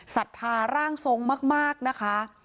ศรัทธาร่างทรงมากนะคะ